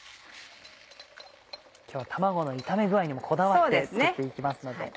今日は卵の炒め具合にもこだわって作って行きますので。